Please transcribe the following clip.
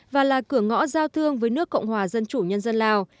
và là cửa ngõ giao thương với nước cộng hòa dân chủ nhân dân lào